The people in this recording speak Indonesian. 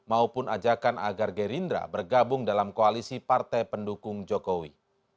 agar gerindra bergabung dalam koalisi partai pendukung jokowi